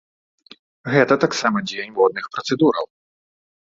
Гэта таксама дзень водных працэдураў.